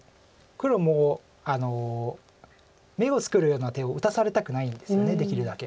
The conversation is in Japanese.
黒も眼を作るような手を打たされたくないんですよねできるだけ。